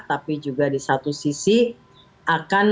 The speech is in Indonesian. tapi juga di satu sisi akan